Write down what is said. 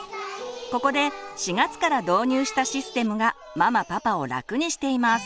ここで４月から導入したシステムがママパパを楽にしています。